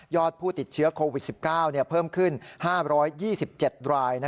ผู้ติดเชื้อโควิด๑๙เพิ่มขึ้น๕๒๗ราย